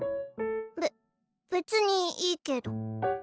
べ別にいいけど。